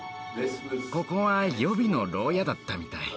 ここは予備のろう屋だったみたい。